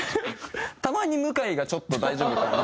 たまに向井がちょっと大丈夫かな？